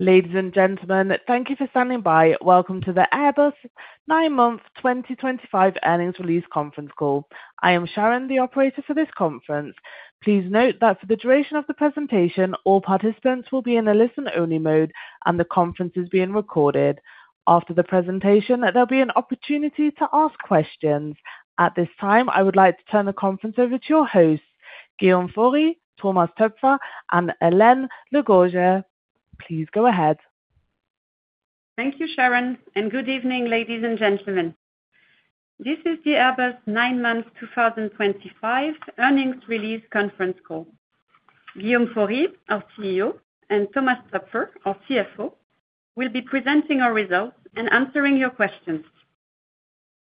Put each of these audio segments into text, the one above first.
Ladies and gentlemen, thank you for standing by. Welcome to the Airbus nine month 2025 earnings release conference call. I am Sharon, the operator for this conference. Please note that for the duration of the presentation, all participants will be in a listen only mode and the conference is being recorded. After the presentation there'll be an opportunity to ask questions. At this time I would like to turn the conference over to your hosts, Guillaume Faury, Thomas Toepfer and Hélène Le Gorgeu. Please go ahead. Thank you, Sharon and good evening ladies and gentlemen. This is the Airbus nine months 2025 earnings release conference call. Guillaume Faury, our CEO, and Thomas Toepfer, our CFO, will be presenting our results and answering your questions.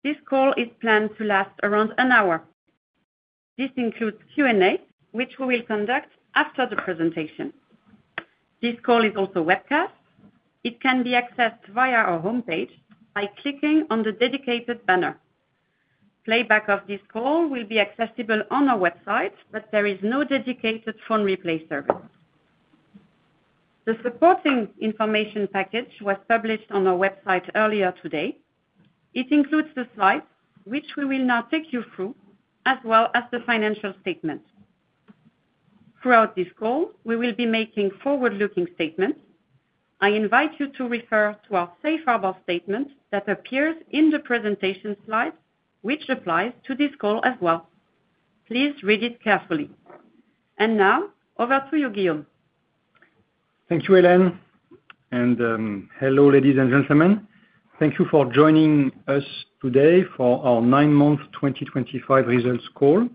This call is planned to last around an hour. This includes Q&A which we will conduct after the presentation. This call is also webcast. It can be accessed via our homepage by clicking on the dedicated banner. Playback of this call will be accessible on our website, but there is no dedicated phone replay service. The supporting information package was published on our website earlier today. It includes the slides which we will now take you through as well as the financial statement. Throughout this call we will be making forward looking statements. I invite you to refer to our safe harbor statement that appears in the presentation slide which applies to this call as well. Please read it carefully. Now over to Guillaume. Thank you, Hélène, and hello ladies and gentlemen. Thank you for joining us today for our nine month 2025 results call.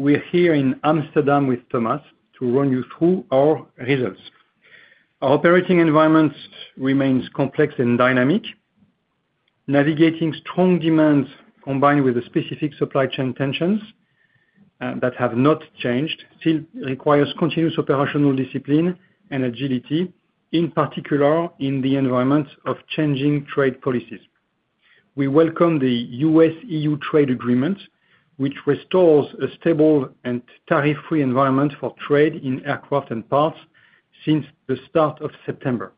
We're here in Amsterdam with Thomas to run you through our results. Our operating environment remains complex and dynamic. Navigating strong demands, combined with the specific supply chain tensions that have not changed, still requires continuous operational discipline and agility, in particular in the environment of changing trade policies. We welcome the U.S. EU Trade Agreement, which restores a stable and tariff-free environment for trade in aircraft and parts since the start of September.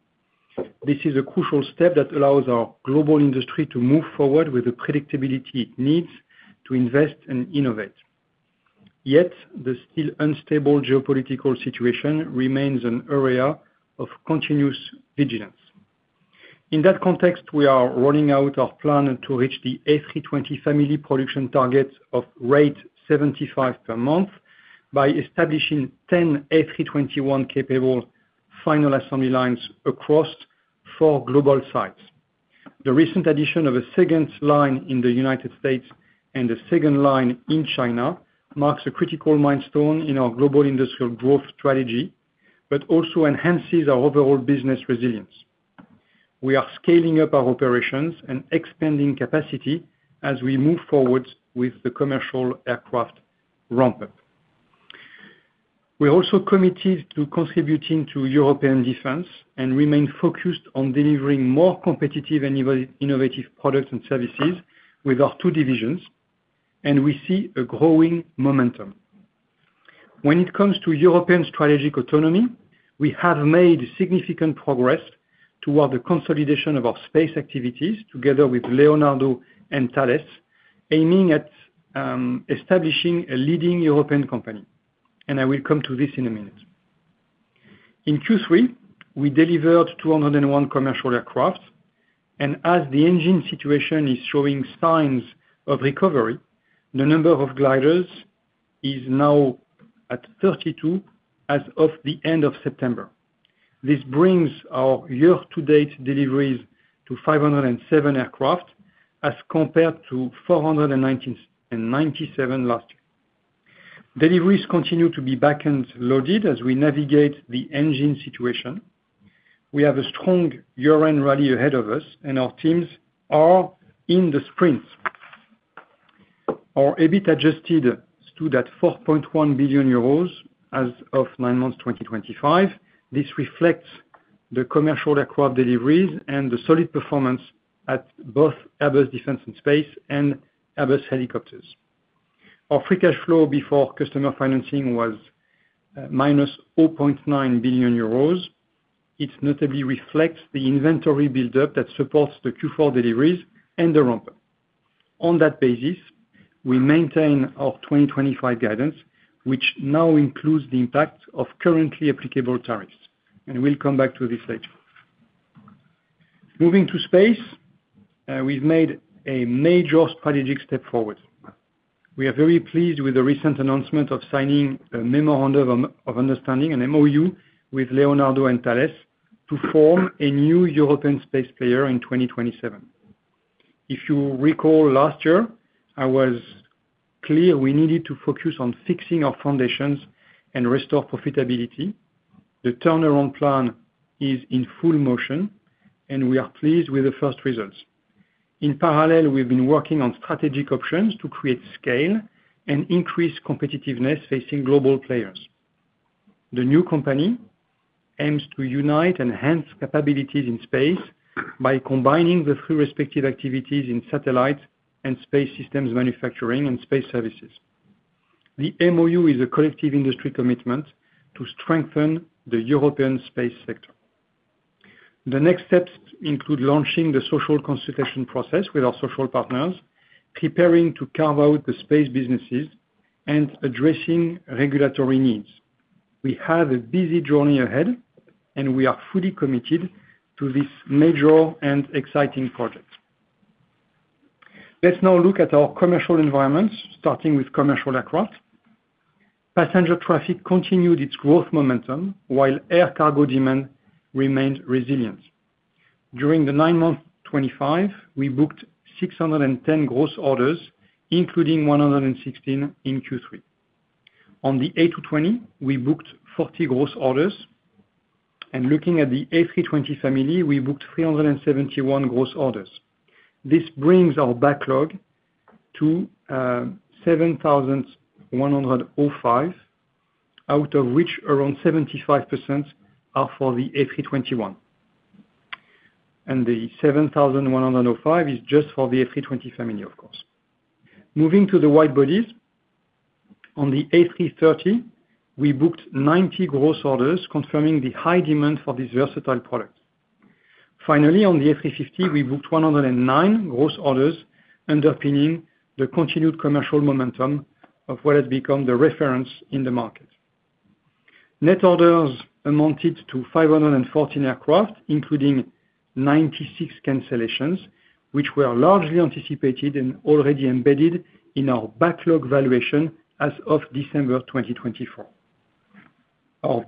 This is a crucial step that allows our global industry to move forward with the predictability it needs to invest and innovate. Yet the still unstable geopolitical situation remains an area of continuous vigilance. In that context, we are rolling out our plan to reach the A320 family production target of rate 75 per month by establishing 10 A321 capable final assembly lines across four global sites. The recent addition of a second line in the United States and the second line in China marks a critical milestone in our global industrial growth strategy, but also enhances our overall business resilience. We are scaling up our operations and expanding capacity as we move forward with the commercial aircraft ramp up. We are also committed to contributing to European Defence and remain focused on delivering more competitive and innovative products and services with our two divisions, and we see a growing momentum when it comes to European strategic autonomy. We have made significant progress toward the consolidation of our space activities together with Leonardo and Thales, aiming at establishing a leading European company. I will come to this in a minute. In Q3, we delivered 201 commercial aircraft, and as the engine situation is showing signs of recovery, the number of gliders is now at 32 as of the end of September. This brings our year to date deliveries to 507 aircraft as compared to 497 last year. Deliveries continue to be back end loaded as we navigate the engine situation. We have a strong year end rally ahead of us and our teams are in the sprint. Our EBIT Adjusted stood at 4.1 billion euros as of nine months 2025. This reflects the commercial aircraft deliveries and the solid performance at both Airbus Defence and Space and Airbus Helicopters. Our free cash flow before customer financing was -0.9 billion euros. It notably reflects the inventory buildup that supports the Q4 deliveries and the ramp up on that basis. We maintain our 2025 guidance which now includes the impact of currently applicable tariffs and we'll come back to this later. Moving to space, we've made a major strategic step forward. We are very pleased with the recent announcement of signing a Memorandum of Understanding, an MoU, with Leonardo and Thales to form a new European space player in 2027. If you recall, last year I was clear we needed to focus on fixing our foundations and restore profitability. The turnaround plan is in full motion and we are pleased with the first results. In parallel, we've been working on strategic options to create scale and increase competitiveness facing global players. The new company aims to unite, enhance capabilities in space by combining the three respective activities in satellite and space systems, manufacturing, and space services. The MoU is a collective industry commitment to strengthen the European space sector. The next steps include launching the social consultation process with our social partners, preparing to carve out the space businesses, and addressing regulatory needs. We have a busy journey ahead and we are fully committed to this major and exciting project. Let's now look at our commercial environments, starting with commercial aircraft. Passenger traffic continued its growth momentum while air cargo demand remained resilient. During the nine months 2025 we booked 610 gross orders, including 116 in Q3. On the A220 we booked 40 gross orders and looking at the A320 family, we booked 371 gross orders. This brings our backlog to 7,105 out of which around 75% are for the A321 and the 7,105 is just for the A320 family, of course. Moving to the widebodies, on the A330 we booked 90 gross orders, confirming the high demand for these versatile products. Finally, on the A350 we booked 109 gross orders, underpinning the continued commercial momentum of what has become the reference in the market. Net orders amounted to 514 aircraft, including 96 cancellations which were largely anticipated and already embedded in our backlog valuation. As of December 2024, our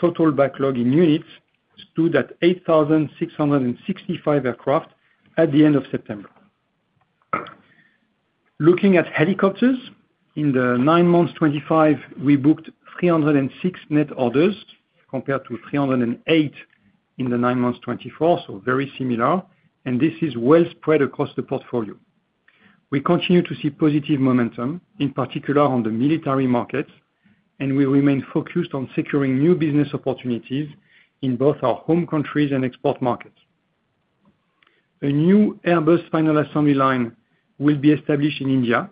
total backlog in units stood at 8,665 aircraft at the end of September. Looking at Helicopters, in the nine months 2025 we booked 306 net orders compared to 308 in the nine months 2024. Very similar and this is well spread across the portfolio. We continue to see positive momentum in particular on the military markets, and we remain focused on securing new business opportunities in both our home countries and export markets. A new Airbus final assembly line will be established in India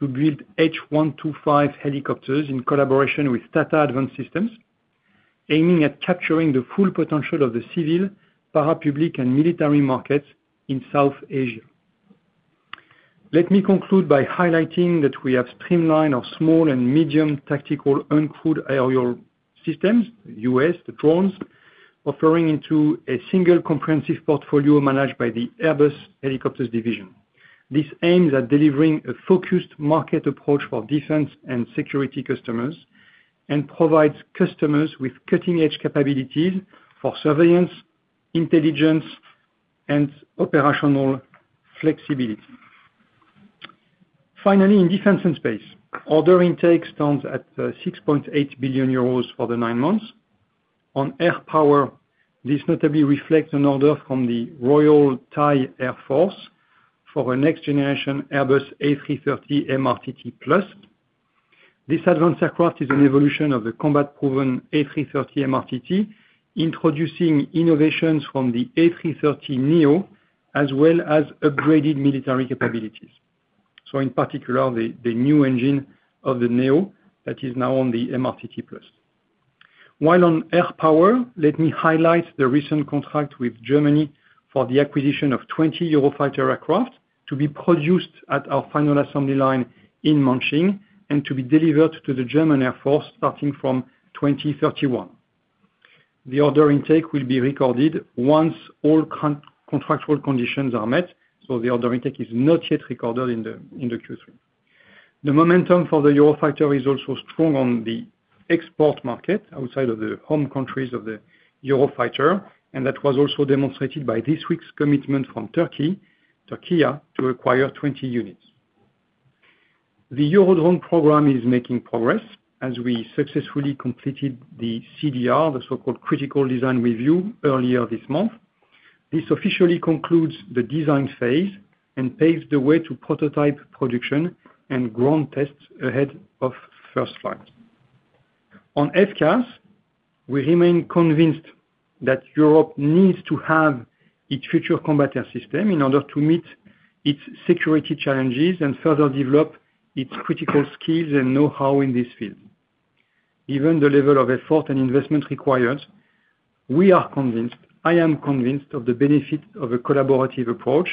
to build H125 helicopters in collaboration with Tata Advanced Systems, aiming at capturing the full potential of the civil, para, public, and military markets in South Asia. Let me conclude by highlighting that we have streamlined our small and medium tactical uncrewed aerial systems, UAS, the drones offering, into a single comprehensive portfolio managed by the Airbus Helicopters Division. This aims at delivering a focused market approach for defense and security customers and provides customers with cutting-edge capabilities for surveillance, intelligence, and operational flexibility. Finally, in Defence and Space, order intake stands at 6.8 billion euros for the nine months on air power. This notably reflects an order from the Royal Thai Air Force for a next-generation Airbus A330 MRTT+. This advanced aircraft is an evolution of the combat-proven A330 MRTT, introducing innovations from the A330neo as well as upgraded military capabilities, in particular the new engine of the NEO that is now on the MRTT+. While on air power, Let me highlight the recent contract with Germany for the acquisition of 20 Eurofighter aircraft to be produced at our final assembly line in Nanjing and to be delivered to the German Air Force starting from 2031. The order intake will be recorded once all contractual conditions are met, so the order intake is not yet recorded in Q3. The momentum for the Eurofighter is also strong on the export market outside of the home countries of the Eurofighter, and that was also demonstrated by this week's commitment from Turkey to acquire 20 units. The Eurodrone program is making progress as we successfully completed the CDR, the so-called critical design review, earlier this month. This officially concludes the design phase and paves the way to prototype, production, and ground tests ahead of first flight on FCAS. We remain convinced that Europe needs to have its future combatant system in order to meet its security challenges and further develop its critical skills and know-how in this field. Given the level of effort and investment required, we are convinced, I am convinced, of the benefit of a collaborative approach,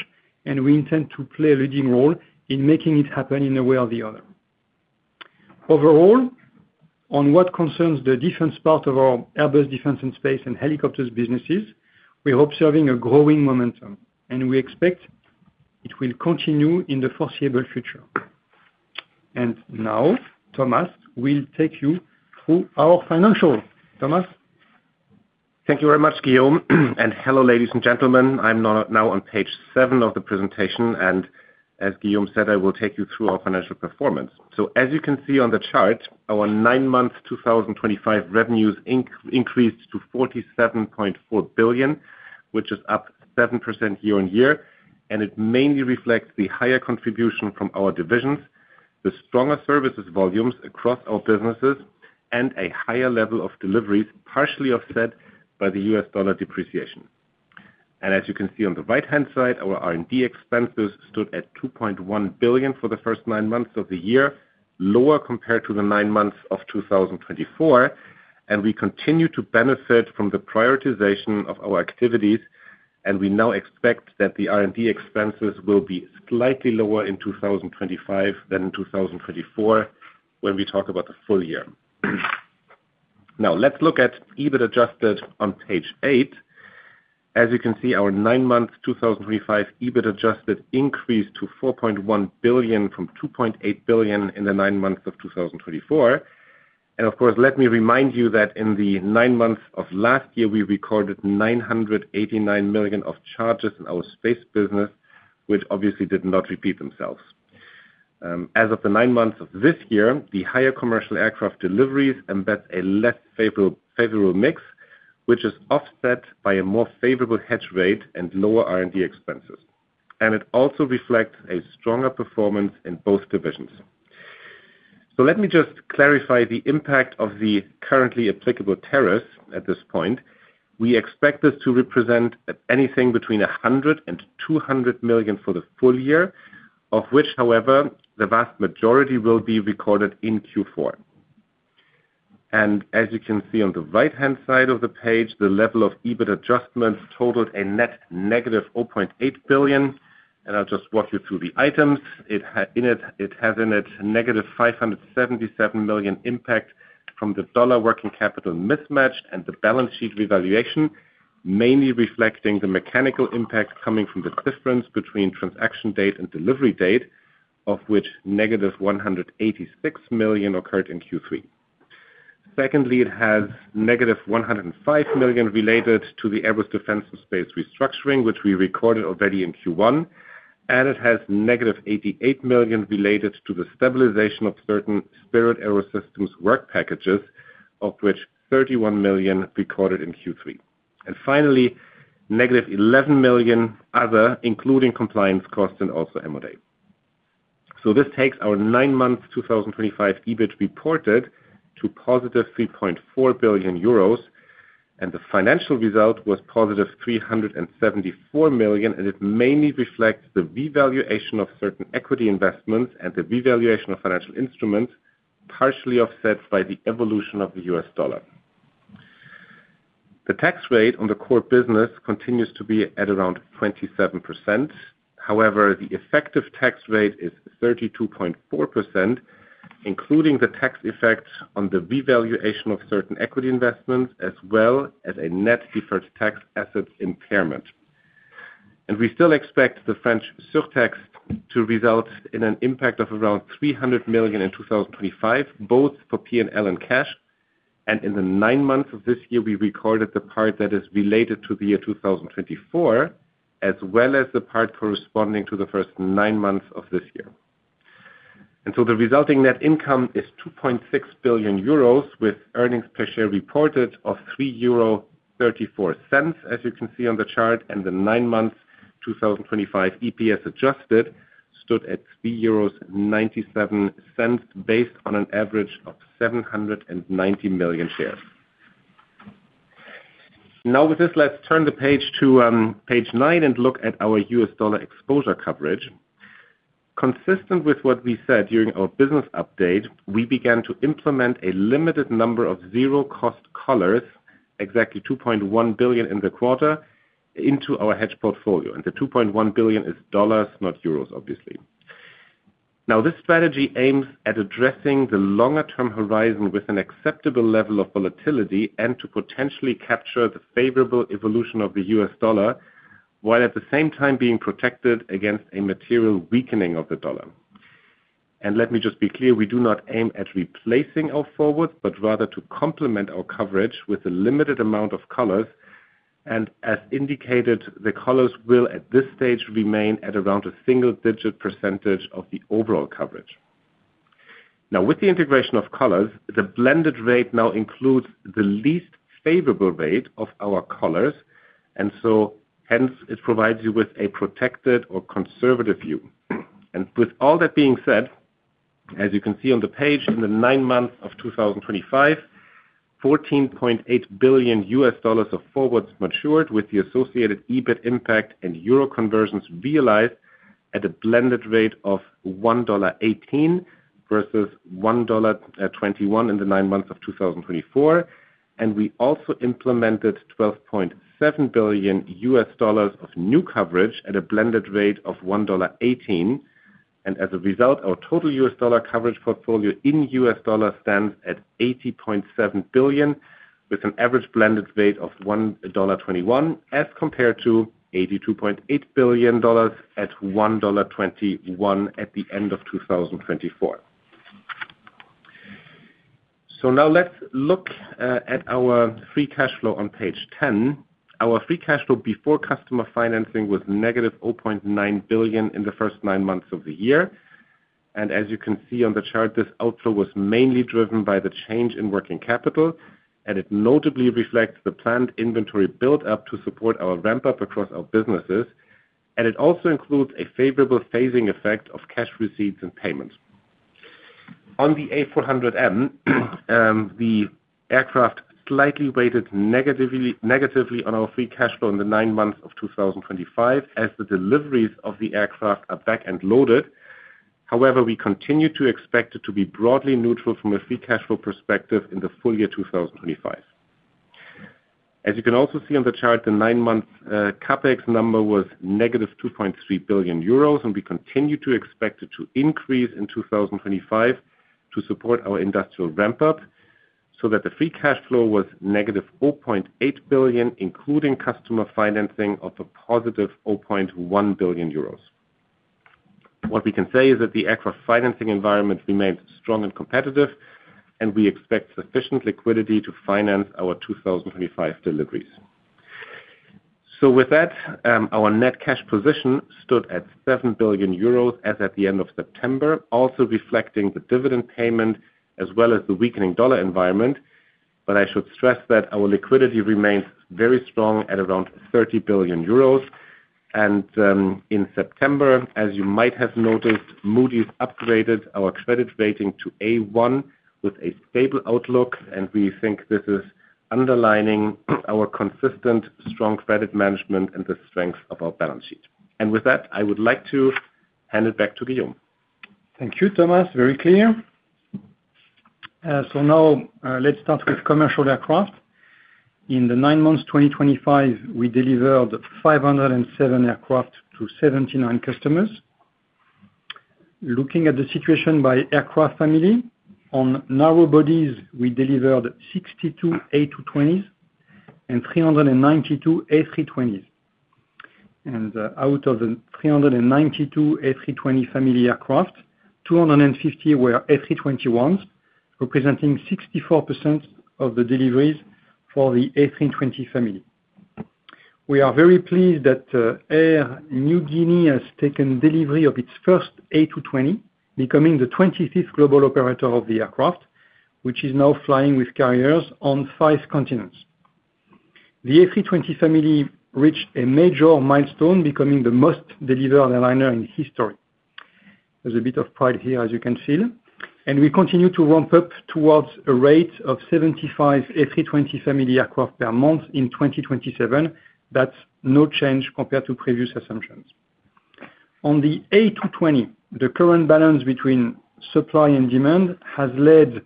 and we intend to play a leading role in making it happen in a way or the other. Overall, on what concerns the defense part of our Airbus Defence and Space and Helicopters businesses, we hope serving a growing momentum and we expect it will continue in the foreseeable future. Thomas, thank you very much. Now Thomas will take you through our financial. Guillaume and hello ladies and gentlemen. I'm now on page seven of the presentation and as Guillaume said, I will take you through our financial performance. As you can see on the chart, our nine months 2025 revenues increased to 47.4 billion, which is up 7% year-on-year. It mainly reflects the higher contribution from our divisions, the stronger services volumes across our businesses, and a higher level of deliveries, partially offset by the U.S. dollar depreciation. As you can see on the right hand side, our R&D expenses stood at 2.1 billion for the first nine months of the year, lower compared to the nine months of 2024. We continue to benefit from the prioritization of our activities. We now expect that the R&D expenses will be slightly lower in 2025 than in 2024 when we talk about the full year. Now let's look at EBIT Adjusted on page 8. As you can see, our nine month 2025 EBIT Adjusted increased to 4.1 billion from 2.8 billion in the nine months of 2024. Let me remind you that in the nine months of last year we recorded 989 million of charges in our space business, which obviously did not repeat themselves as of the nine months of this year. The higher commercial aircraft deliveries embed a less favorable mix, which is offset by a more favorable hedge rate and lower R&D expenses, and it also reflects a stronger performance in both divisions. Let me just clarify the impact of the currently applicable tariffs. At this point we expect this to represent anything between 100 million and 200 million for the full year, of which, however, the vast majority will be recorded in Q4. As you can see on the right hand side of the page, the level of EBIT Adjustments totaled a net -0.8 billion. I'll just walk you through the items: it has in it -577 million impact from the dollar working capital mismatch and the balance sheet revaluation, mainly reflecting the mechanical impact coming from the difference between transaction date and delivery date, of which -186 million occurred in Q3. Secondly, it has -105 million related to the Airbus Defence and Space restructuring, which we recorded already in Q1, and it has -88 million related to the stabilization of certain Spirit AeroSystems work packages, of which 31 million recorded in Q3, and finally -11 million other including compliance costs and also Moda. This takes our nine months 2025 EBIT reported to +3.4 billion euros and the financial result was +374 million. It mainly reflects the revaluation of certain equity investments and the revaluation of financial instruments, partially offset by the evolution of the U.S. dollar. The tax rate on the core business continues to be at around 27%. However, the effective tax rate is 32.4% including the tax effect on the revaluation of certain equity investments as well as a net deferred tax assets impairment. We still expect the French surtax to result in an impact of around 300 million in 2025 both for P&L and cash. In the nine months of this year, we recorded the part that is related to the year 2024 as well as the part corresponding to the first nine months of this year. The resulting net income is 2.6 billion euros with earnings per share reported of 3.34 euros as you can see on the chart. The nine months 2025 EPS adjusted stood at 3 based on an average of 790 million shares. Now, with this, let's turn the page to page nine and look at our U.S. dollar exposure coverage. Consistent with what we said during our business update, we began to implement a limited number of zero cost collars, exactly $2.1 billion in the quarter into our hedge portfolio. The $2.1 billion is dollars, not euros obviously. This strategy aims at addressing the longer term horizon with an acceptable level of volatility and to potentially capture the favorable evolution of the U.S. dollar while at the same time being protected against a material weakening of the dollar. Let me just be clear, we do not aim at replacing our forwards, but rather to complement our coverage with a limited amount of collars and as indicated the collars will at this stage remain at around a single digit percentage of the overall. With the integration of collars, the blended rate now includes the least favorable rate of our collars and so hence it provides you with a protected or conservative view. With all that being said, as you can see on the page, in the nine months of 2025, $14.8 billion of forwards matured with the associated EBIT impact and euro conversions realized at a blended rate of $1.18 versus $1.21 in the nine months of 2024. We also implemented $12.7 billion of new coverage at a blended rate of $1.18. As a result, our total U.S. dollar coverage portfolio in U.S. dollar stands at $80.7 billion with an average blended weight of $1.21 as compared to $82.8 billion at $1.21 at the end of 2024. Now let's look at our free cash flow on page 10. Our free cash flow before customer financing was -$0.9 billion in the first nine months of the year. As you can see on the chart, this outflow was mainly driven by the change in working capital and it notably reflects the planned inventory build up to support our ramp up across our businesses. It also includes a favorable phasing effect of cash receipts and payments on the A400M. The aircraft slightly weighted negatively on our free cash flow in the nine months of 2025 as the deliveries of the aircraft are back end loaded. However, we continue to expect it to be broadly neutral from a free cash flow perspective in the full year 2025. As you can also see on the chart, the nine month CapEx number was -2.3 billion euros and we continue to expect it to increase in 2025 to support our industrial ramp up so that the free cash flow was -0.8 billion including customer financing of a +0.1 billion euros. What we can say is that the aircraft financing environment remains strong and competitive and we expect sufficient liquidity to finance our 2025 deliveries. Our net cash position stood at 7 billion euros as at the end of September, also reflecting the dividend payment as well as the weakening dollar environment. I should stress that our liquidity remains very strong at around 30 billion euros. In September, as you might have noticed, Moody's upgraded our credit rating to A1 with a stable outlook and we think this is underlining our consistent strong credit management and the strength of our balance sheet. With that, I would like to hand it back to Guillaume. Thank you, Thomas. Very clear. Now let's start with commercial aircraft. In the nine months 2025, we delivered 507 aircraft to 79 customers. Looking at the situation by aircraft family, on narrowbodies, we delivered 62 A220s and 392 A320s. Out of the 392 A320 family aircraft, 250 were A321s, representing 64% of the deliveries for the A320 family. We are very pleased that Air New Guinea has taken delivery of its first A220, becoming the 25th global operator of the aircraft, which is now flying with carriers on five continents. The A320 family reached a major milestone, becoming the most delivered airliner in history. There's a bit of pride here, as you can see, and we continue to ramp up towards a rate of 75 A320 family aircraft per month in 2027. That's no change compared to previous assumptions. On the A220, the current balance between supply and demand has led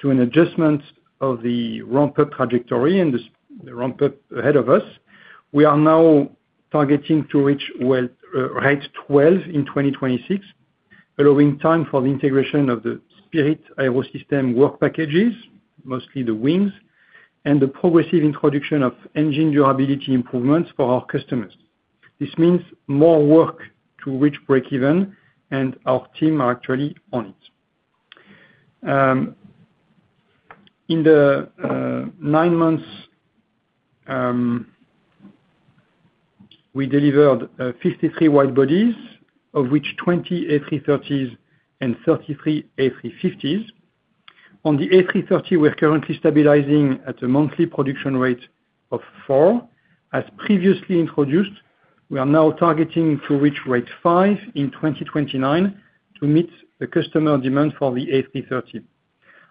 to an adjustment of the ramp-up trajectory and the ramp-up ahead of us. We are now targeting to reach rate 12 in 2026, allowing time for the integration of the Spirit AeroSystems work packages, mostly the wings, and the progressive introduction of engine durability improvements for our customers. This means more work to reach breakeven, and our team are actually on it. In the nine months, we delivered 53 widebodies, of which 20 A330s and 33 A350s. On the A330, we're currently stabilizing at a monthly production rate of 4 as previously introduced. We are now targeting to reach rate 5 in 2029 to meet the customer demand for the A330.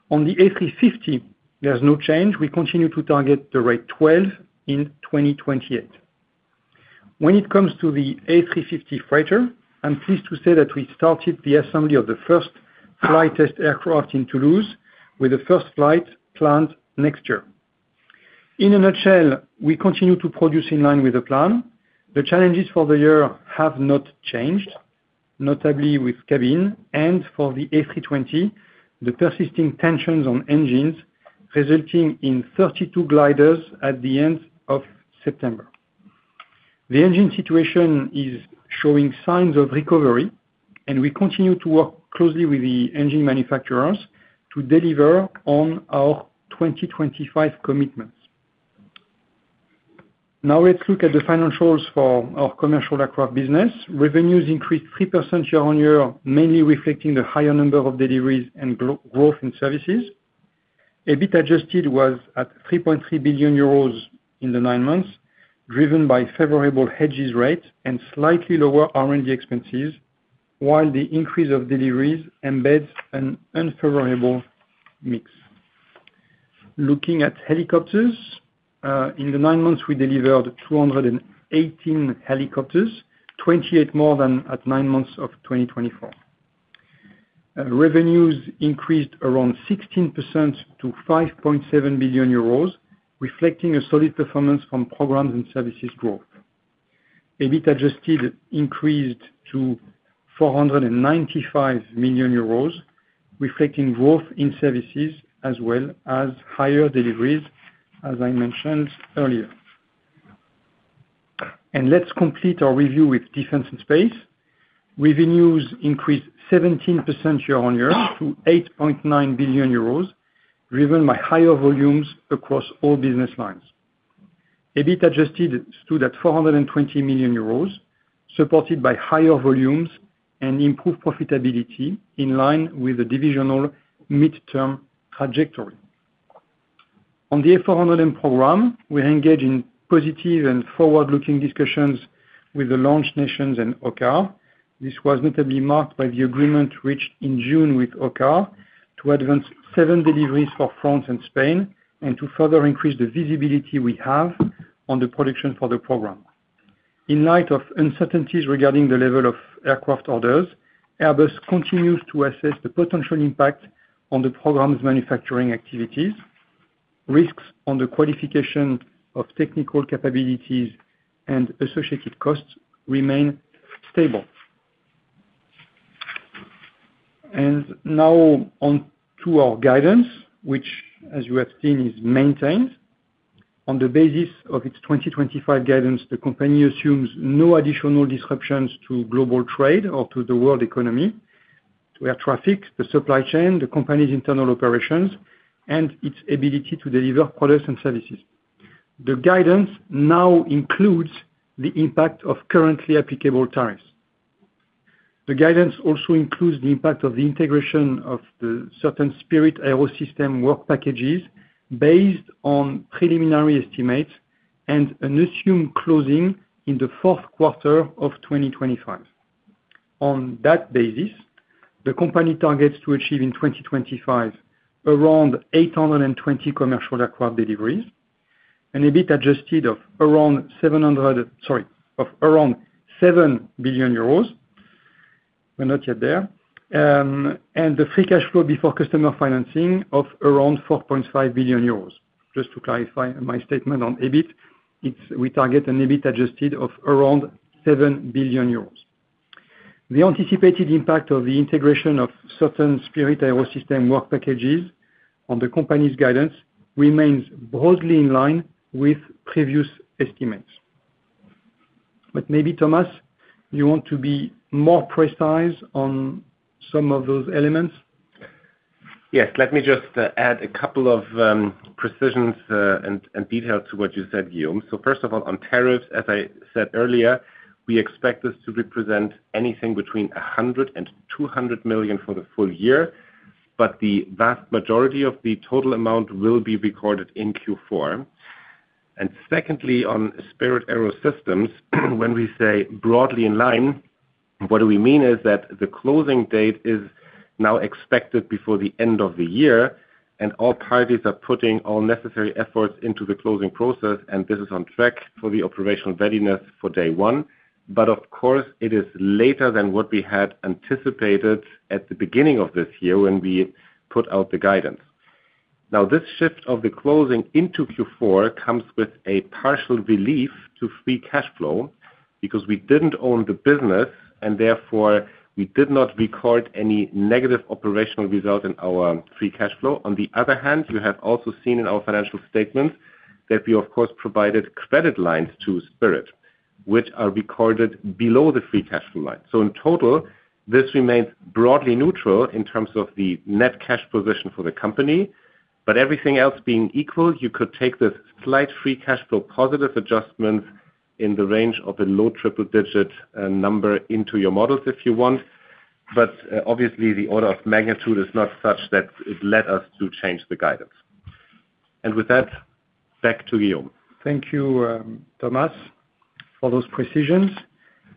On the A350, there's no change. We continue to target the rate 12 in 2028. When it comes to the A350 freighter, I'm pleased to say that we started the assembly of the first flight test aircraft in Toulouse, with the first flight planned next year. In a nutshell, we continue to produce in line with the plan. The challenges for the year have not changed, notably with cabin and for the A320, the persisting tensions on engines, resulting in 32 gliders at the end of September. The engine situation is showing signs of recovery, and we continue to work closely with the engine manufacturers to deliver on our 2025 commitments. Now let's look at the financials for our commercial aircraft business. Revenues increased 3% year-on-year, mainly reflecting the higher number of deliveries and growth in services. EBIT Adjusted was at 3.33 billion euros in the nine months, driven by favorable hedges rate and slightly lower R&D expenses. While the increase of deliveries embeds an unfavorable mix. Looking at Helicopters, in the nine months we delivered 218 helicopters, 28 more than at nine months of 2024. Revenues increased around 16% to 5.7 billion euros, reflecting a solid performance from programs and services growth. EBIT Adjusted increased to 495 million euros, reflecting growth in services as well as higher deliveries. As I mentioned earlier, let's complete our review with Defence and Space. Revenues increased 17% year-on-year to 8.9 billion euros, driven by higher volumes across all business lines. EBIT Adjusted stood at 420 million euros, supported by higher volumes and improved profitability, in line with the divisional mid term trajectory. On the A400M program, we engage in positive and forward-looking discussions with the launch nations and OCCAR. This was notably marked by the agreement reached in June with OCCAR to advance seven deliveries for France and Spain and to further increase the visibility we have on the production for the program. In light of uncertainties regarding the level of aircraft orders, Airbus continues to assess the potential impact on the program's manufacturing activities. Risks on the qualification of technical capabilities and associated costs remain stable. Now on to our guidance, which as you have seen, is maintained. On the basis of its 2025 guidance, the company assumes no additional disruptions to global trade or to the world economy, air traffic, the supply chain, the company's internal operations and its ability to deliver products and services. The guidance now includes the impact of currently applicable tariffs. The guidance also includes the impact of the integration of certain Spirit AeroSystems work packages based on preliminary estimates and an assumed closing in the fourth quarter of 2025. On that basis, the company targets to achieve in 2025 around 820 commercial aircraft deliveries, an EBIT Adjusted of around 7 billion euros. We're not yet there, and the free cash flow before customer financing of around 4.5 billion euros. Just to clarify my statement on EBIT, we target an EBIT Adjusted of around 7 billion euros. The anticipated impact of the integration of certain Spirit AeroSystems work packages on the company's guidance remains broadly in line with previous estimates. Maybe, Thomas, you want to be more precise on some of those elements? Yes, let me just add a couple of precisions and details to what you said, Guillaume. First of all, on tariffs, as I said earlier, we expect this to represent anything between $102 million and $200 million for the full year. The vast majority of the total amount will be recorded in Q4. Secondly, on Spirit AeroSystems, when we say broadly in line, what we mean is that the closing date is now expected before the end of the year and all parties are putting all necessary efforts into the closing process. This is on track for the operational readiness for day one. Of course, it is later than what we had anticipated at the beginning of this year when we put out the guidance. This shift of the closing into Q4 comes with a partial relief to free cash flow because we didn't own the business and therefore we did not record any negative operational result in our free cash flow. On the other hand, you have also seen in our financial statements that we provided credit lines to Spirit which are recorded below the free cash flow line. In total, this remains broadly neutral in terms of the net cash position for the company. Everything else being equal, you could take this slight free cash flow positive adjustment in the range of a low triple digit number into your models if you want, but obviously the order of magnitude is not such that it led us to change the guidance. With that, back to Guillaume. Thank you, Thomas, for those precisions.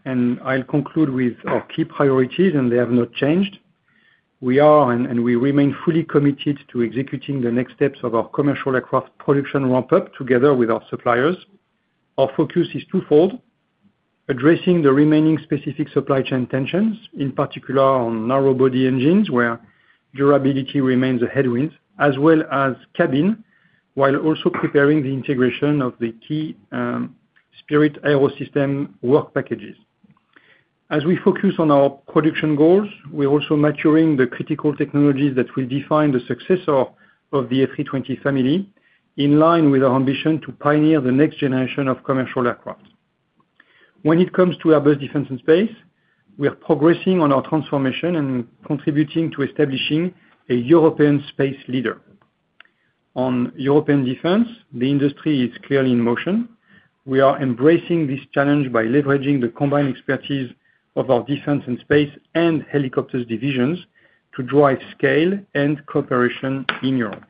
I'll conclude with our key priorities, and they have not changed. We are and we remain fully committed to executing the next steps of our commercial aircraft production ramp up together with our suppliers. Our focus is twofold: addressing the remaining specific supply chain tensions, in particular on narrow body engines where durability remains a headwind as well as cabin, while also preparing the integration of the key Spirit AeroSystems work packages. As we focus on our production goals, we're also maturing the critical technologies that will define the successor of the A320 family, in line with our ambition to pioneer the next generation of commercial aircraft. When it comes to Airbus Defence and Space, we are progressing on our transformation and contributing to establishing a European space leader. On European Defence, the industry is clearly in motion. We are embracing this challenge by leveraging the combined expertise of our Defence and Space and Helicopters divisions to drive scale and cooperation in Europe.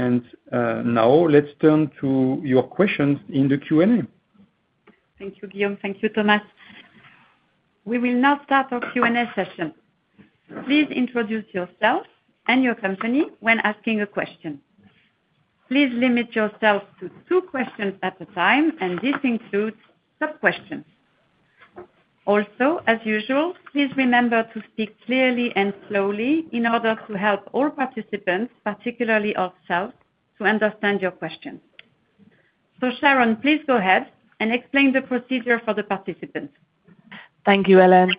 Now let's turn to your questions in the Q&A. Thank you, Guillaume. Thank you, Thomas. We will now start our Q&A session. Please introduce yourself and your company. When asking a question, please limit yourself to two questions at a time and this includes sub questions also. As usual, please remember to speak clearly and slowly in order to help all participants, particularly of self, to understand your question. Sharon, please go ahead and explain the procedure for the participants. Thank you, Hélène.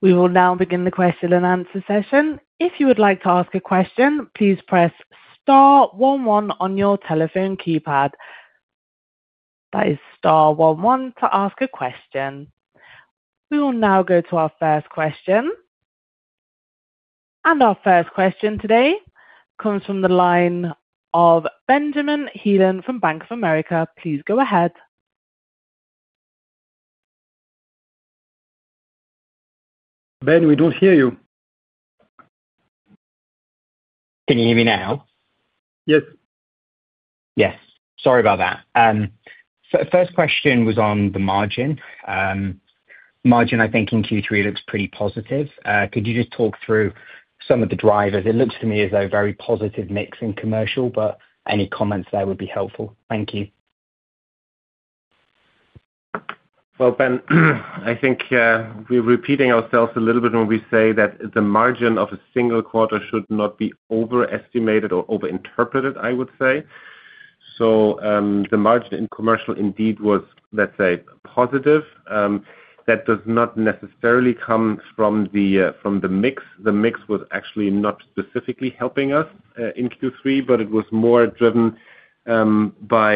We will now begin the question-and-answer session. If you would like to ask a question, please press star one one on your telephone keypad. That is star one one to ask a question. We will now go to our first question. Our first question today comes from the line of Benjamin Heelan from Bank of America. Please go ahead. Ben, we don't hear you. Can you hear me now? Yes. Yes, sorry about that. First question was on the margin. Margin I think in Q3 looks pretty positive. Could you just talk through some of the drivers? It looks to me as though very positive mix in commercial. Any comments there would be helpful. Thank you. Ben, I think we're repeating ourselves a little bit when we say that the margin of a single quarter should not be overestimated or overinterpreted. I would say the margin in commercial indeed was, let's say, positive. That does not necessarily come from the mix. The mix was actually not specifically helping us in Q3, but it was more driven by,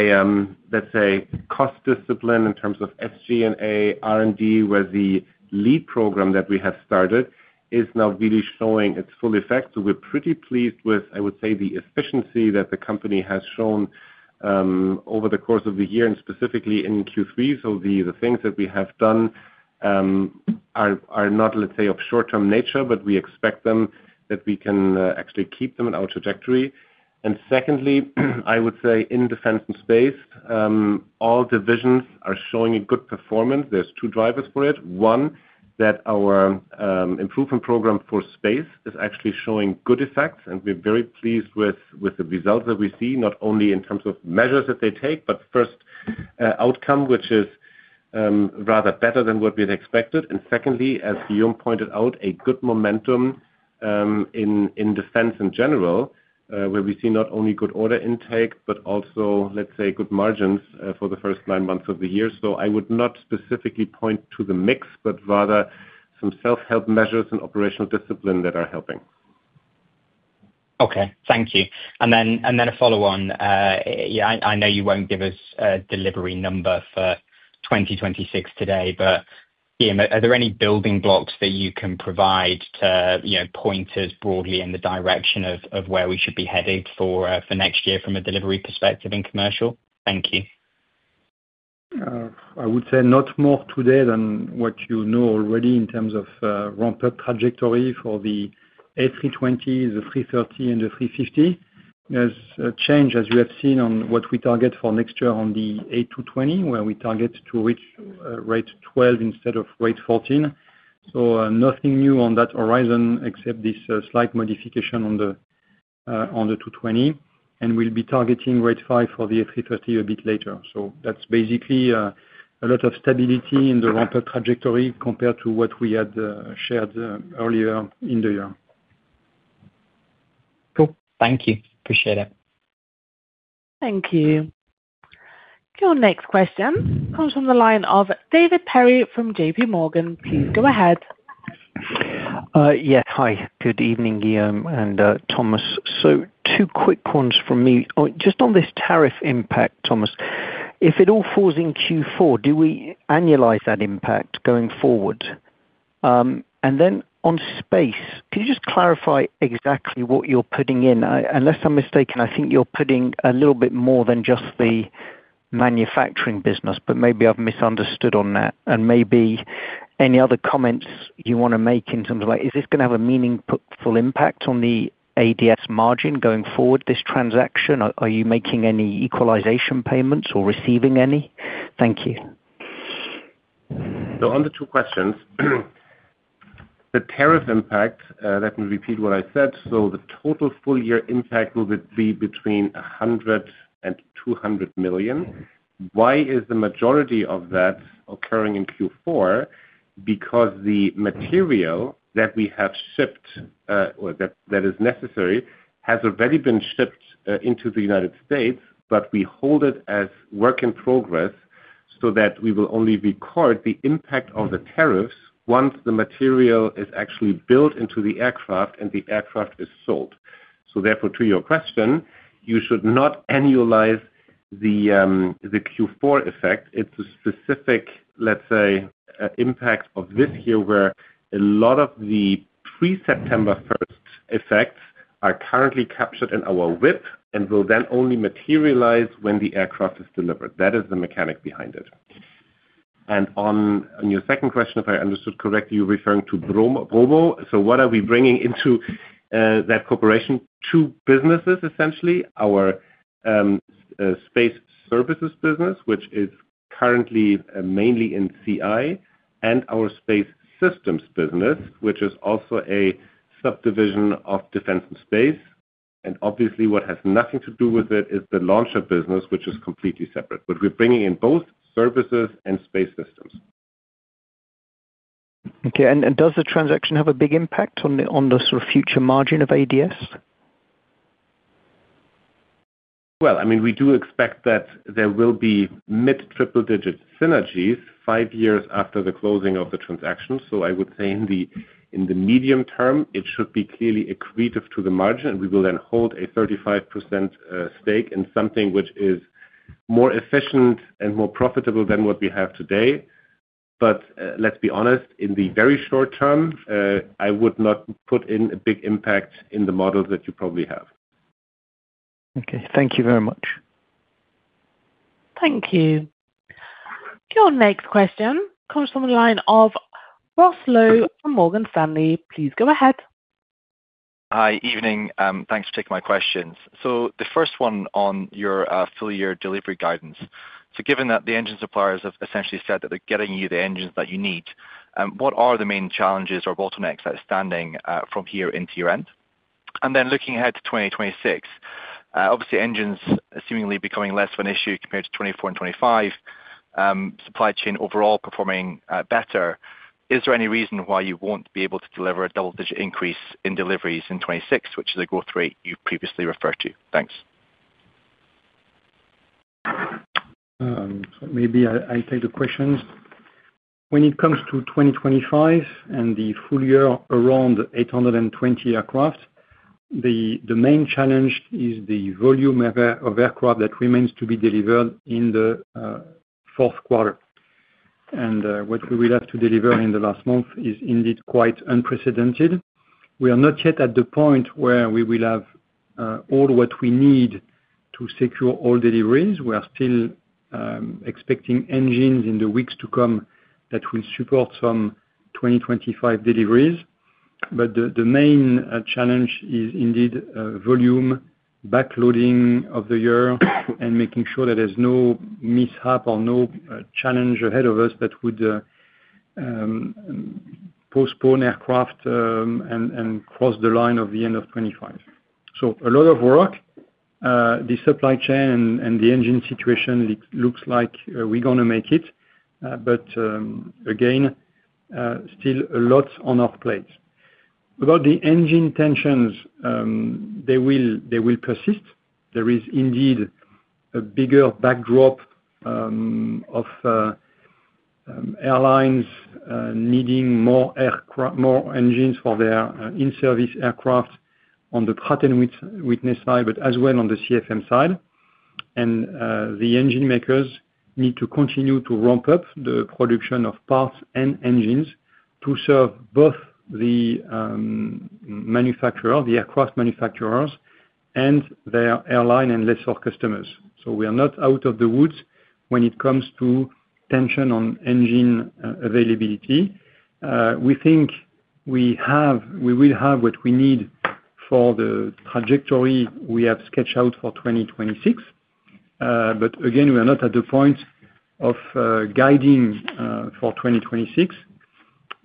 let's say, cost discipline in terms of SG&A, R&D, where the lead program that we have started is now really showing its full effect. We're pretty pleased with, I would say, the efficiency that the company has shown over the course of the year and specifically in Q3. The things that we have done are not, let's say, of short-term nature, but we expect them, that we can actually keep them in our trajectory. Secondly, I would say in Defence and Space, all divisions are showing a good performance. There are two drivers for it. One, that our improvement program for Space is actually showing good effects and we're very pleased with the results that we see, not only in terms of measures that they take, but first outcome, which is rather better than what we had expected. Secondly, as Guillaume pointed out, a good momentum in defense in general where we see not only good order intake but also, let's say, good margins for the first nine months of the year. I would not specifically point to the mix but rather some self-help measures and operational discipline that are helping. Okay, thank you. And then a follow on. I know you won't give us a delivery number for 2026 today, but are there any building blocks that you can provide to point us broadly in the direction of where we should be headed for next year from a delivery perspective in commercial? Thank you. I would say not more today than what you know already in terms of ramp up trajectory for the A320. The A330 and the A350 has changed, as you have seen on what we target for next year on the A220 where we target to reach rate 12 instead of rate 14. Nothing new on that horizon except this slight modification on the A220 and we'll be targeting rate 5 for the A330 a bit later. That's basically a lot of stability in the ramp up trajectory compared to what we had shared earlier in the year. Cool, thank you. Appreciate it. Thank you. Your next question comes from the line of David Perry from JPMorgan. Please go ahead. Yes. Hi, good evening, Guillaume and Thomas. Two quick ones from me just on this tariff impact, Thomas, if it all falls in Q4, do we annualize that impact going forward? On space, can you just clarify exactly what you're putting in? Unless I'm mistaken, I think you're putting a little bit more than just the manufacturing business. Maybe I've misunderstood on that and maybe any other comments you want to make in terms of like, is this going to have a meaningful impact on the ADS margin going forward, this transaction, are you making any equalization payments or receiving any? Thank you. On the two questions, the tariff impact, let me repeat what I said. The total full year impact will be between 100 million and 200 million. Why is the majority of that occurring in Q4? The material that we have shipped, that is necessary, has already been shipped into the U.S. We hold it as work in progress so that we will only record the impact of the tariffs once the material is actually built into the aircraft and the aircraft is sold. Therefore, to your question, you should not annualize the Q4 effect. It's a specific impact of this year, where a lot of the pre-September 1 effects are currently captured in our WIP and will then only materialize when the aircraft is delivered. That is the mechanic behind it. On your second question, if I understood correctly, you're referring to Bromo. What are we bringing into that corporation? Two businesses, essentially our space services business, which is currently mainly in CI, and our space systems business, which is also a subdivision of Defence and Space. Obviously, what has nothing to do with it is the launcher business, which is completely separate, but we're bringing in both services and space systems. Okay, does the transaction have a big impact on the future margin of Airbus? I mean, we do expect that there will be mid triple digit synergies five years after the closing of the transaction. I would say in the medium term it should be clearly accretive to the margin. We will then hold a 35% stake in something which is more efficient and more profitable than what we have today. Let's be honest, in the very short term, I would not put in a big impact in the models that you probably have. Okay, thank you very much. Thank you. Your next question comes from the line of Ross Law from Morgan Stanley. Please go ahead. Hi, evening. Thanks for taking my questions. The first one on your full year delivery guidance, given that the engine suppliers have essentially said that they're getting you the engines that you need, what are the main challenges or bottlenecks outstanding from here into year end, and then looking ahead to 2026, obviously engines seemingly becoming less of an issue compared to 2024 and 2025, supply chain overall performing better. Is there any reason why you won't be able to deliver a double-digit increase in deliveries in 2026, which is a growth rate you previously referred to? Thanks. Maybe I take the questions. When it comes to 2025 and the full year around 820 aircraft, the main challenge is the volume of aircraft that remains to be delivered in the fourth quarter. What we will have to deliver in the last month is indeed quite unprecedented. We are not yet at the point where we will have all what we need to secure all deliveries. We are still expecting engines in the weeks to come that will support some 2025 deliveries. The main challenge is indeed volume backloading of the year and making sure that there's no mishap or no challenge ahead of us that would postpone aircraft and cross the line of the end of 2025. A lot of work. The supply chain and the engine situation looks like we're going to make it. Again, still a lot on our plate about the engine tensions. They will persist. There is indeed a bigger backdrop of airlines needing more engines for their in-service aircraft on the Pratt & Whitney side, but as well on the CFM side. The engine makers need to continue to ramp up the production of parts and engines to serve both the aircraft manufacturers and their airline and lessor customers. We are not out of the woods when it comes to tension on engine availability. We think we will have what we need for the trajectory we have sketched out for 2026. Again, we are not at the point of guiding for 2026.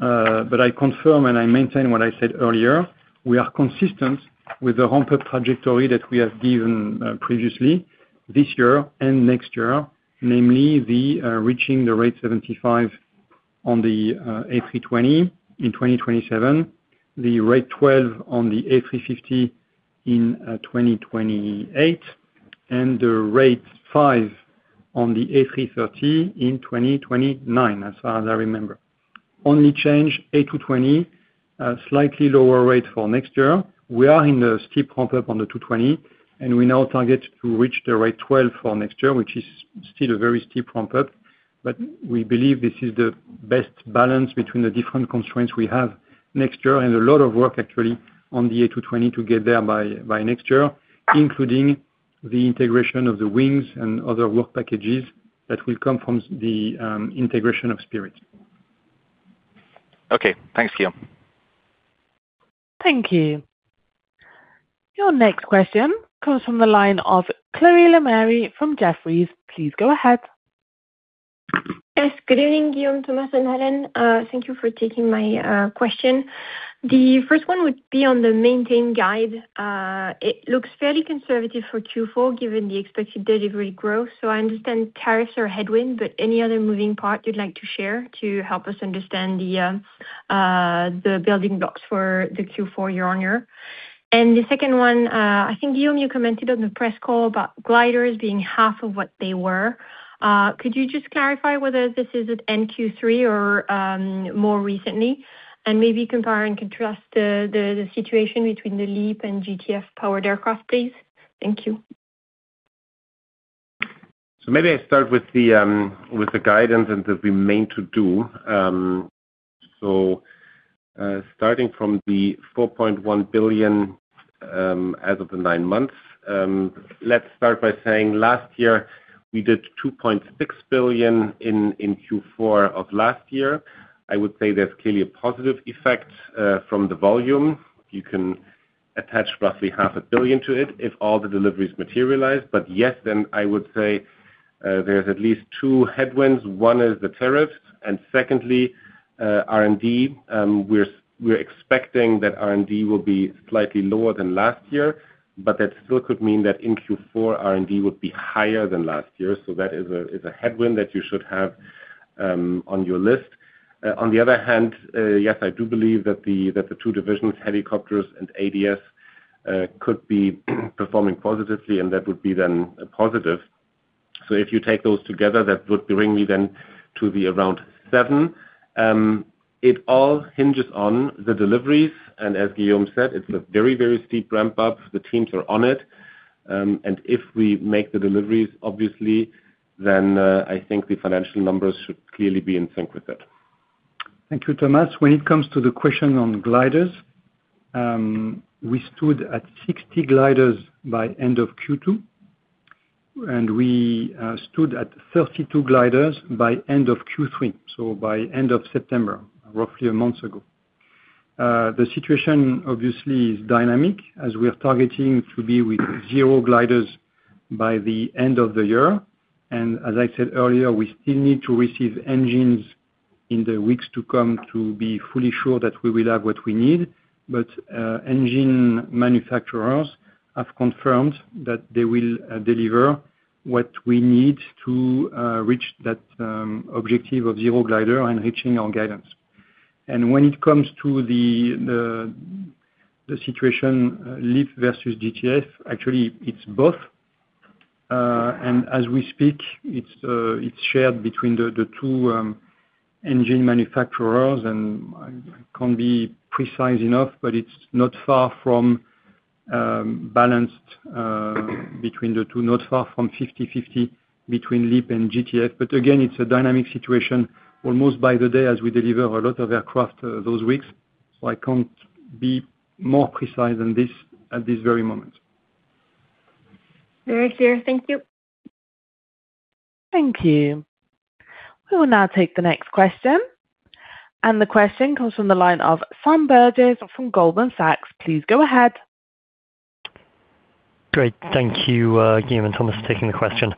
I confirm and I maintain what I said earlier, we are consistent with the ramp-up trajectory that we have given previously this year and next year, namely reaching the rate 75 on the A320 in 2027, the rate 12 on the A350 in 2028, and the rate 5 on the A330 in 2029 as far as I remember. Only change, A220 slightly lower rate for next year. We are in the steep ramp-up on the A220 and we now target to reach the rate 12 for next year, which is still a very steep ramp-up. We believe this is the best balance between the different constraints we have next year and a lot of work actually on the A220 to get there by next year, including the integration of the wings and other work packages that will come from the integration of Spirit AeroSystems. Okay, thanks Guillaume. Thank you. Your next question comes from the line of Chloé Lemarié from Jefferies, please go ahead. Yes, good evening, Guillaume, Thomas and Hélène. Thank you for taking my question. The first one would be on the maintain guide. It looks fairly conservative for Q4 given the expected delivery growth. I understand tariffs are a headwind, but any other moving part you'd like to share to help us understand the building blocks for the Q4 year-on-year? The second one, I think Guillaume, you commented on the press call about gliders being half of what they were. Could you just clarify whether this is at end Q3 or more recently and maybe compare and contrast the situation between the LEAP and GTF-powered aircraft, please? Thank you. Maybe I start with the guidance and remain to do so starting from the $4.1 billion as of the nine months. Last year we did $2.6 billion in Q4 of last year. I would say there's clearly a positive effect from the volume. You can attach roughly half a billion to it if all the deliveries materialize. I would say there's at least two headwinds. One is the tariffs and secondly, R&D. We're expecting that R&D will be slightly lower than last year, but that still could mean that in Q4 R&D would be higher than last year. That is a headwind that you should have on your list. On the other hand, I do believe that the two divisions, Helicopters and ADS, could be performing positively and that would be then positive. If you take those together, that would bring me then to the around seven. It all hinges on the deliveries. As Guillaume said, it's a very, very steep ramp up. The teams are on it and if we make the deliveries, obviously, then I think the financial numbers should clearly be in sync with it. Thank you, Thomas. When it comes to the question on gliders, we stood at 60 gliders by end of Q2, and we stood at 50, 32 gliders by end of Q3, so by end of September, roughly a month ago. The situation obviously is dynamic as we are targeting to be with zero gliders by the end of the year. As I said earlier, we still need to receive engines in the weeks to come to be fully sure that we will have what we need. Engine manufacturers have confirmed that they will deliver what we need to reach that objective of zero glider and reaching our guidance. When it comes to the situation, LEAP versus GTF, actually it's both. As we speak, it's shared between the two engine manufacturers and can't be precise enough. It's not far from balanced between the two, not far from 50:50 between LEAP and GTF. Again, it's a dynamic situation almost by the day as we deliver a lot of aircraft those weeks. I can't be more precise than this at this very moment. Very clear. Thank you. Thank you. We will now take the next question. The question comes from the line of Sam Burgess from Goldman Sachs. Please go ahead. Great. Thank you, Guillaume and Thomas, for taking the question.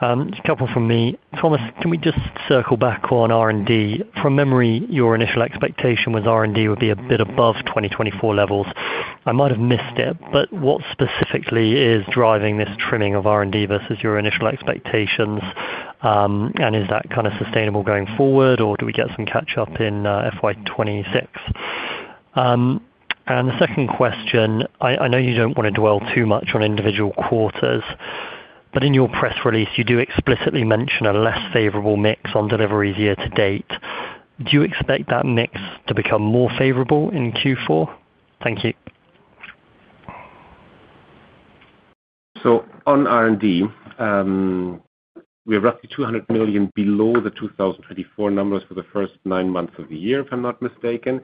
A couple from me. Thomas, can we just circle back on R&D? From memory, your initial expectation was R&D would be a bit above 2024 levels. I might have missed it, but what specifically is driving this trimming of R&D versus your initial expectations? Is that kind of sustainable going forward or do we get some catch up in FY 2026? The second question, I know you don't want to dwell too much on individual quarters, but in your press release you do explicitly mention a less favorable mix on deliveries year-to-date. Do you expect that mix to become more favorable in Q4? Thank you. On R&D, we have roughly $200 million below the 2024 numbers for the first nine months of the year. If I'm not mistaken,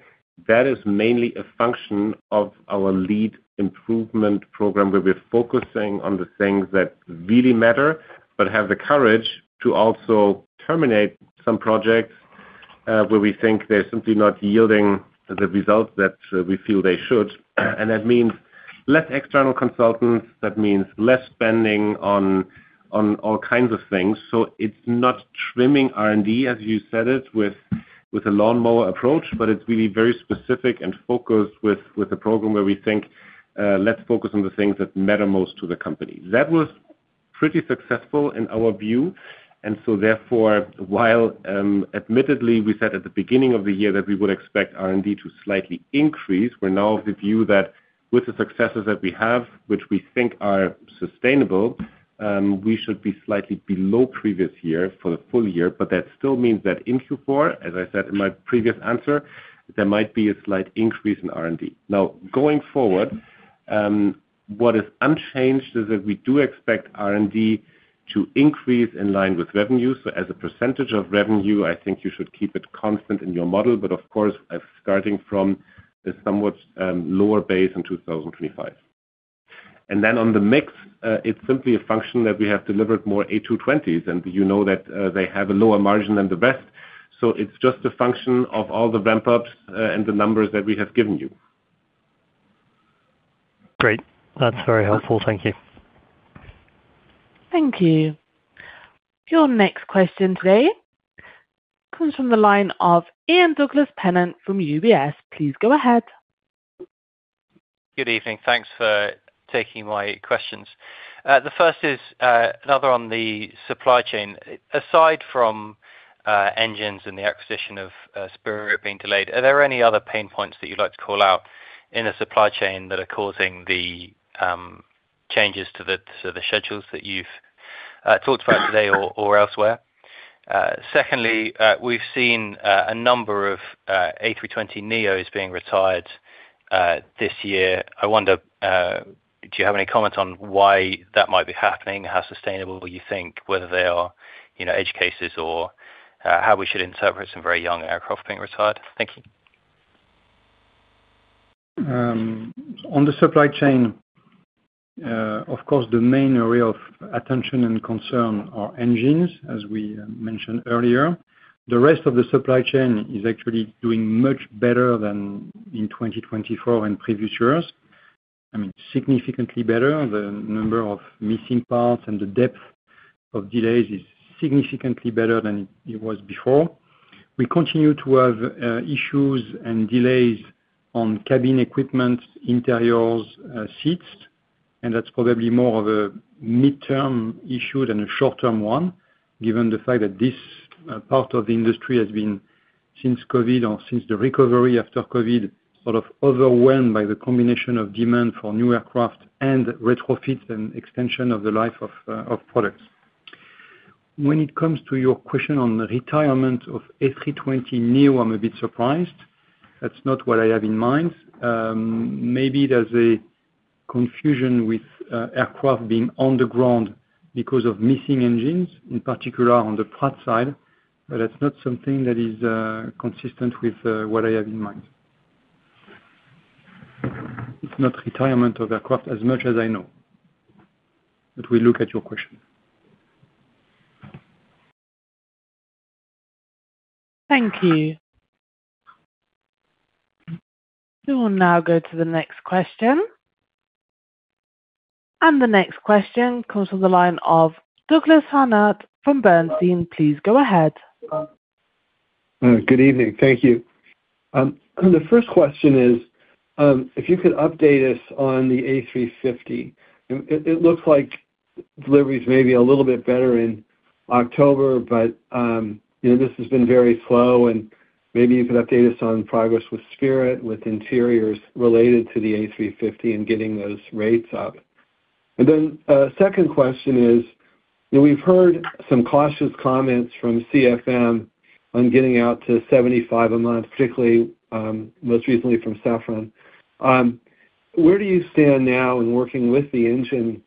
that is mainly a function of our lead improvement program, where we're focusing on the things that really matter, but have the courage to also terminate some projects where we think they're simply not yielding the results that we feel they should. That means less external consultants, that means less spending on all kinds of things. It's not trimming R&D, as you said it, with a lawnmower approach, but it's really very specific and focused with the program where we think let's focus on the things that matter most to the company. That was pretty successful in our view. Therefore, while admittedly we said at the beginning of the year that we would expect R&D to slightly increase, we're now of the view that with the successes that we have, which we think are sustainable, we should be slightly below previous year for the full year. That still means that in Q4, as I said in my previous answer, there might be a slight increase in R&D. Now going forward, what is unchanged is that we do expect R&D to increase in line with revenue. As a percentage of revenue, I think you should keep it constant in your model. Of course, starting from a somewhat lower base in 2025 and then on the mix, it's simply a function that we have delivered more A220s and you know that they have a lower margin than the best. It's just a function of all the ramp-ups and the numbers that we have given you. Great, that's very helpful. Thank you. Thank you. Your next question today comes from the line of Ian Douglas-Pennant from UBS. Please go ahead. Good evening. Thanks for taking my questions. The first is another on the supply chain. Aside from engines and the acquisition of Spirit AeroSystems being delayed, are there any other pain points that you'd like to call out in the supply chain that are causing the changes to the schedules that you've talked about today or elsewhere? Secondly, we've seen a number of A320neos being retired this year. I wonder, do you have any comments on why that might be happening, how sustainable you think, whether they are, you know, edge cases or how we should interpret some very young aircraft being retired. Thank you. On the supply chain, of course, the main area of attention and concern are engines. As we mentioned earlier, the rest of the supply chain is actually doing much better than in 2024 and previous years. I mean, significantly better. The number of missing parts and the depth of delays is significantly better than it was before. We continue to have issues and delays on cabin equipment, interiors, seats, and that's probably more of a midterm issue than a short term one given the fact that this part of the industry has been since COVID or since the recovery after COVID, sort of overwhelmed by the combination of demand for new aircraft and retrofit and extension of the life of products. When it comes to your question on the retirement of A320neo, I'm a bit surprised that's not what I have in mind maybe there's a confusion with aircraft being on the ground because of missing engines, in particular on the Pratt & Whitney side. That's not something that is consistent with what I have in mind. Not retirement of aircraft as much as I know. We look at your question. Thank you. We will now go to the next question. The next question comes from the line of Douglas Harned from Bernstein, please go ahead. Good evening. Thank you. The first question is if you could update us on the A350. It looks like deliveries may be a little bit better in October, but this has been very slow. Maybe you could update us on progress with Spirit AeroSystems with interiors related to the A350 and getting those rates up. The second question is now we've heard some cautious comments from CFM on getting out to 75 a month, particularly most recently from Safran. Where do you stand now in working with the engine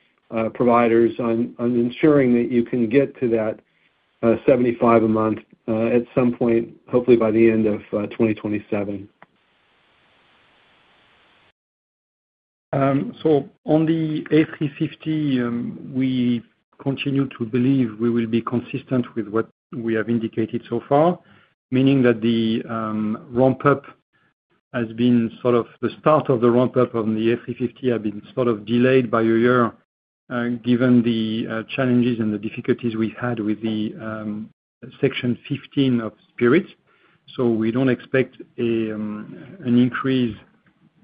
providers on ensuring that you can get to that 75 a month at some point, hopefully by the end of 2026. On the A350, we continue to believe we will be consistent with what we have indicated so far, meaning that the ramp up has been sort of the start of the ramp up on the A350 has been sort of delayed by a year given the challenges and the difficulties we had with the section 15 of Spirit AeroSystems. We don't expect an increase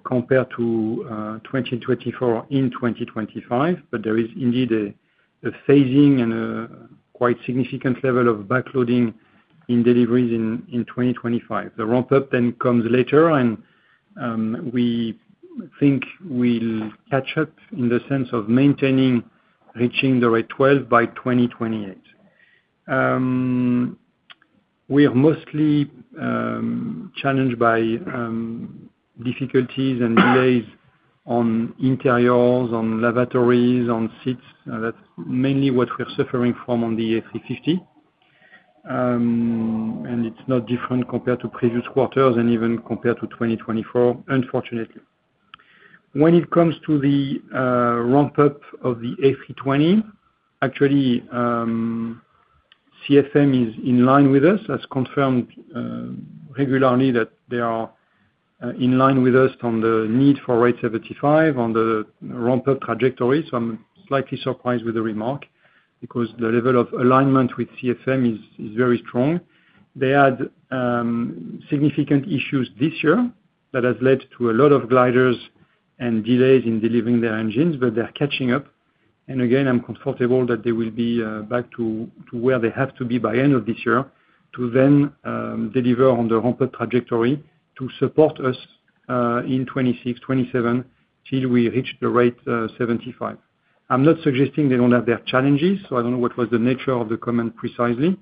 compared to 2024 in 2025, but there is indeed a phasing and a quite significant level of backloading in deliveries in 2025. The ramp up then comes later and we think we'll catch up in the sense of maintaining reaching the rate 12 by 2028. We are mostly challenged by difficulties and delays on interiors, on lavatories, on seats. That's mainly what we're suffering from on the A350 and it's not different compared to previous quarters and even compared to 2024. Unfortunately, when it comes to the ramp up of the A320, actually CFM is in line with us and has confirmed regularly that they are in line with us on the need for rate 75 on the ramp up trajectory. I'm slightly surprised with the remark because the level of alignment with CFM is very strong. They had significant issues this year that has led to a lot of gliders and delays in delivering their engines. They're catching up and again I'm comfortable that they will be back to where they have to be by end of this year to then deliver on the ramp up trajectory to support us in 2026, 2027 till we reach the rate 75. I'm not suggesting they don't have their challenges. I don't know what was the nature of the comment precisely.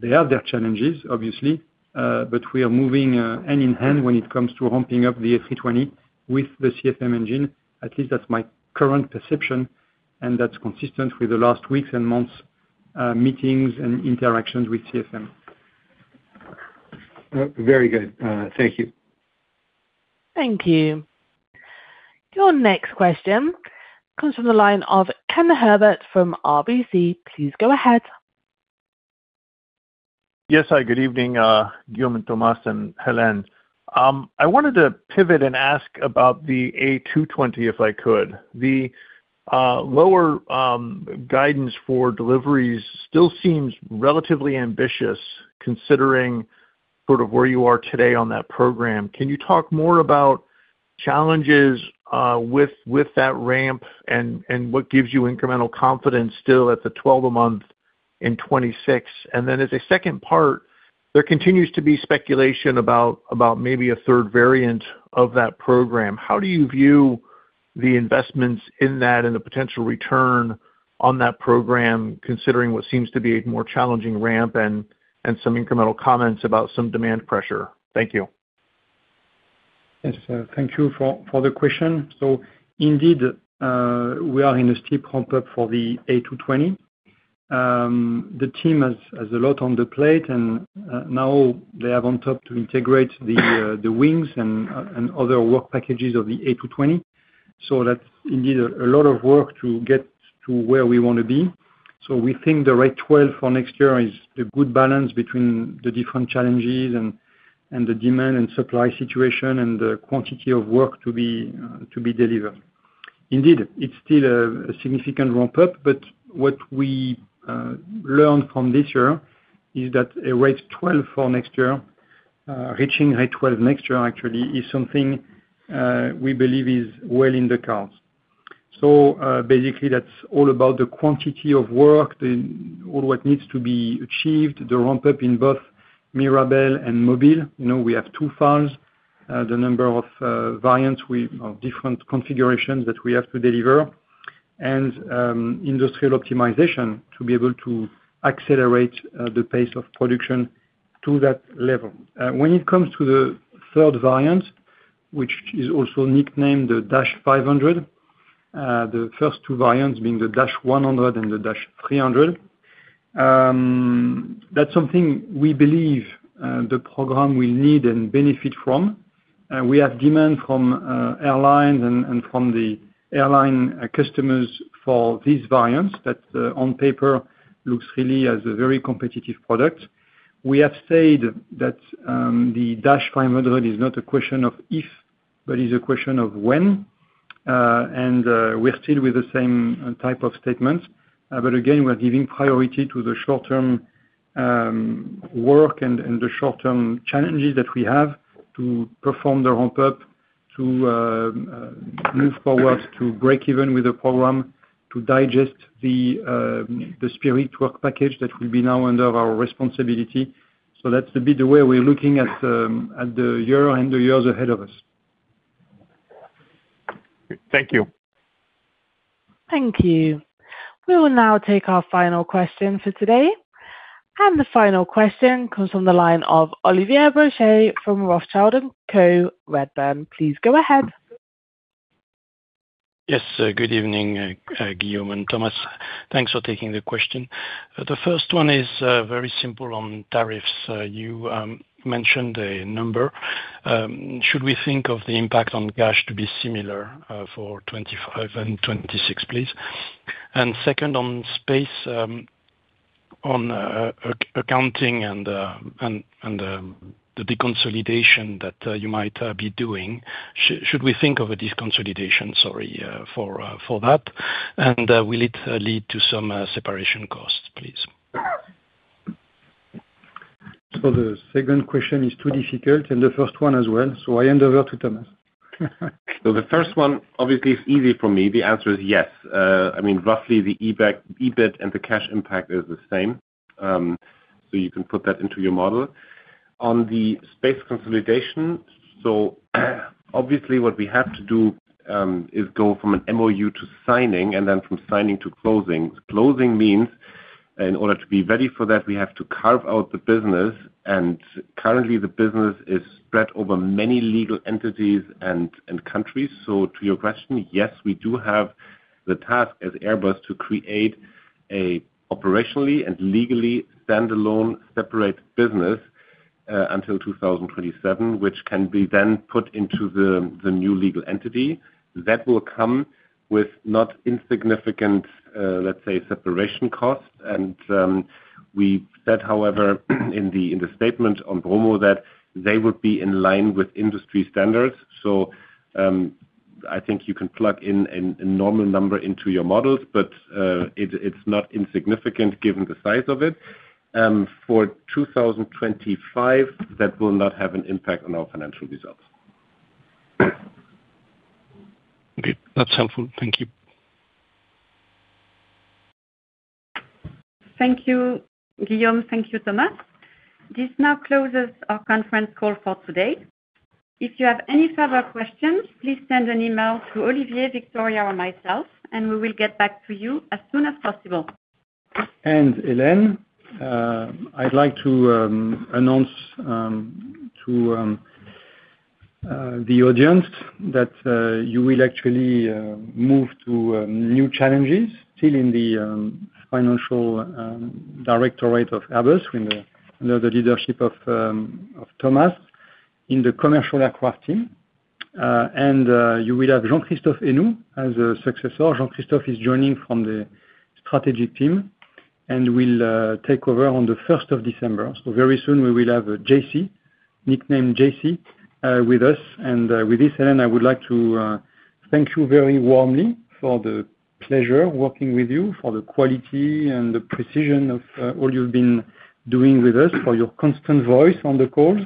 They have their challenges, obviously, but we are moving hand in hand when it comes to ramping up the A320 with the CFM engine. At least that's my current perception and that's consistent with the last weeks and months, meetings and interactions with CFM. Very good. Thank you. Thank you. Your next question comes from the line of Ken Herbert from RBC. Please go ahead. Yes, hi, good evening. Guillaume, Thomas and Hélène. I wanted to pivot and ask about the A220 if I could. The lower guidance for deliveries still seems relatively ambitious considering sort of where you are today on that program. Can you talk more about challenges with that ramp and what gives you incremental confidence? Still at the 12 a month in 2026. As a second part, there continues to be speculation about maybe a third variant of that program. How do you view the investments in that and the potential return on that program considering what seems to be a more challenging ramp and some incremental comments about some demand pressure. Thank you. Yes, thank you for the question. Indeed, we are in a steep ramp up for the A220. The team has a lot on the plate, and now they have on top to integrate the wings and other work packages of the A220. That's indeed a lot of work to get to where we want to be. We think the rate 12 for next year is a good balance between the different challenges and the demand and supply situation and the quantity of work to be delivered. It's still a significant ramp up, but what we learned from this year is that a rate 12 for next year, reaching rate 12 next year, actually is something we believe is well in the cards. Basically, that's all about the quantity of work, all what needs to be achieved, the ramp up. In both Mirabel and Mobile, we have two files, the number of variants, different configurations that we have to deliver, and industrial optimization to be able to accelerate the pace of production to that level. When it comes to the third variant, which is also nicknamed the Dash 500, the first two variants being the Dash 100 and the Dash 350, that's something we believe the program will need and benefit from. We have demand from airlines and from the airline customers for these variants that on paper looks really as a very competitive product. We have said that the Dash 500 is not a question of if, but is a question of when. We're still with the same type of statements. Again, we're giving priority to the short term work and the short term challenges that we have to perform: the ramp up, to move forward, to break even with the program, to digest the Spirit AeroSystems work package that will be now under our responsibility. That's the way we're looking at the year and the years ahead of us. Thank you. Thank you. We will now take our final question for today. The final question comes from the line of Olivier Brochet from Redburn Atlantic. Please go ahead. Yes, good evening, Guillaume and Thomas. Thanks for taking the question. The first one is very simple. On tariffs. You mentioned a number. Should we think of the impact on gas to be similar for 2025 and 2026, please? Second, on space, on accounting and the deconsolidation that you might be doing. Should we think of a deconsolidation? Will it lead to some separation costs, please? The second question is too difficult and the first one as well, so I hand over to Thomas. The first one obviously is easy for me, the answer is yes. I mean, roughly, the EBIT and the cash impact is the same. You can put that into your model on the space consolidation. What we have to do is go from a Memorandum of Understanding to signing and then from signing to closing. Closing means in order to be ready for that, we have to carve out the business. Currently the business is spread over many legal entities and countries. To your question, yes, we do have the task as Airbus to create an operationally and legally standalone separate business until 2027, which can then be put into the new legal entity that will come with, not insignificant, let's say, separation costs. We said, however, in the statement on Bromo that they would be in line with industry standards. I think you can plug in a normal number into your models, but it's not insignificant, given the size of it for 2025. That will not have an impact on our financial results. That's helpful. Thank you. Thank you, Guillaume. Thank you, Thomas. This now closes our conference call for today. If you have any further questions, please send an email to Olivier, Victoria, or myself and we will get back to you as soon as possible. Hélène, I'd like to announce to the audience that you will actually move to new challenges still in the Financial Directorate of Airbus under the leadership of Thomas in the Commercial Aircraft team. You will have Jean-Christophe Henoux as a successor. Jean-Christophe is joining from the Strategic team and will take over on December 1st. Very soon we will have J.C., nicknamed J.C., with us. Hélène, I would like to thank you very warmly for the pleasure working with you, for the quality and the precision of all you've been doing with us, for your constant voice on the calls,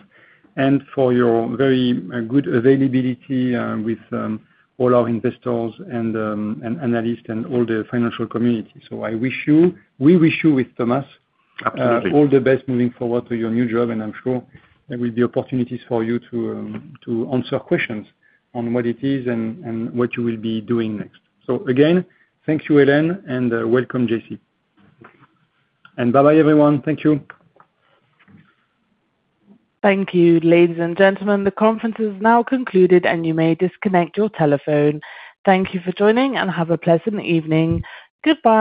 and for your very good availability with all our investors and analysts and all the financial community. I wish you, we wish you, with Thomas, all the best moving forward to your new job. I'm sure there will be opportunities for you to answer questions on what it is and what you will be doing next. Again, thank you, Hélène, and welcome, J.C., and bye-bye, everyone. Thank you. Thank you, ladies and gentlemen, the conference is now concluded and you may disconnect your telephone. Thank you for joining and have a pleasant evening. Goodbye.